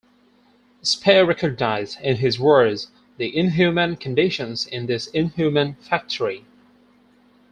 Speer recognized, in his words, the inhuman conditions in this inhuman factory.